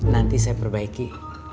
nanti saya perbaiki